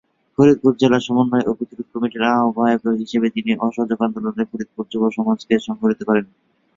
ফরিদপুর জেলা সমন্বয় ও প্রতিরোধ কমিটির আহবায়ক হিসেবে তিনি অসহযোগ আন্দোলনে ফরিদপুরে যুব সমাজকে সংগঠিত করেন।